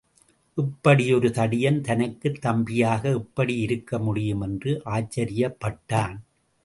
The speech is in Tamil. இப்படி ஒரு தடியன் தனக்குத் தம்பியாக எப்படி இருக்க முடியும் என்று ஆச்சரியப்பட்டான்.